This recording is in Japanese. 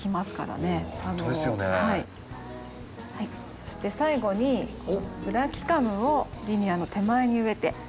そして最後にブラキカムをジニアの手前に植えて。